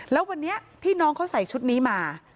แล้ววันนี้พี่น้องเขาใส่ชุดนี้มา